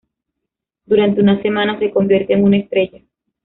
Durante unas semanas se convierte en una estrella.